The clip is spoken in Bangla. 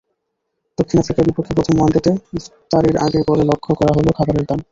দক্ষিণ আফ্রিকার বিপক্ষে প্রথম ওয়ানডেতে ইফতারির আগে-পরে লক্ষ্য করা হলো খাবারের দাম।